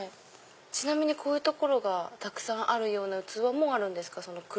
ちなみにこういう所がたくさんある器もあるんですか？